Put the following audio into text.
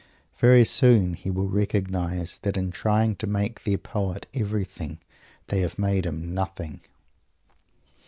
Very soon he will recognize that in trying to make their poet everything they have made him nothing.